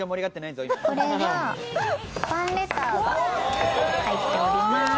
これは、ファンレターが入っております。